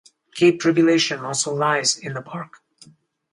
Cape Tribulation also lies in the park.